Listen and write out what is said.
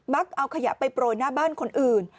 เอาขยะไปโปรยหน้าบ้านคนอื่น